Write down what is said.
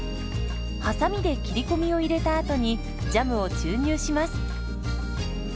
はさみで切り込みを入れたあとにジャムを注入します。